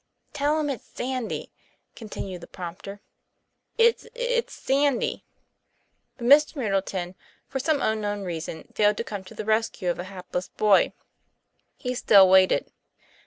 'Tell him it's sandy," continued the prompter. "It's it's sandy." But Mr. Middleton, for some unknown reason, failed to come to the rescue of the hapless boy. He still waited.